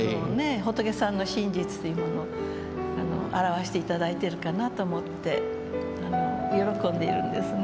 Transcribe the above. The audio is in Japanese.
仏さんの真実というものを表して頂いてるかなと思って喜んでいるんですね。